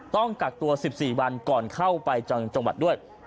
ต้องกักตัว๑๔วันก่อนเข้าไปจังหวัดด้วย